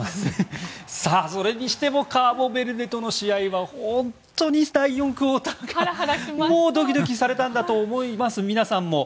それにしてもカーボベルデとの試合は本当に第４クオーターからもうドキドキされたんだと思います、皆さんも。